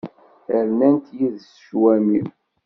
Rnant yid-s cwami.